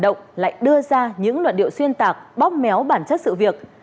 các bản động lại đưa ra những luận điệu xuyên tạc bóc méo bản chất sự việc